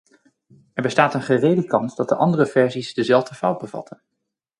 Er bestaat een gerede kans dat andere versies dezelfde fout bevatten.